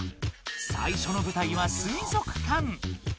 最初のぶたいは水族館。